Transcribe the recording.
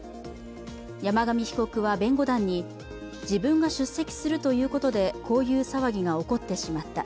山上被告は弁護団に自分が出席するということでこういう騒ぎが起こってしまった。